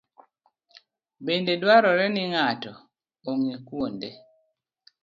Bende dwarore ni ng'ato ong'e kuonde